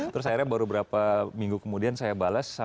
terus akhirnya baru berapa minggu kemudian saya bales